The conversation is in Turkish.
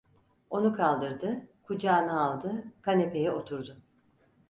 Onu kaldırdı, kucağına aldı, kanepeye oturdu.